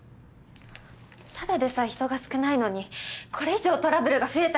ただでさえ人が少ないのにこれ以上トラブルが増えたら。